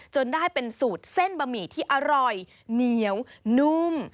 จนได้เป็นสูตรเส้นบะหมี่ที่อร่อยเหนียวนุ่ม